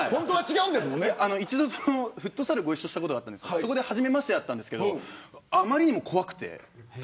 一度、フットサルでご一緒したことがあったんですが初めましてだったんですけど余りにも怖くて。